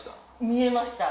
見えました。